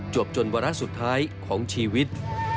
จนวาระสุดท้ายของชีวิต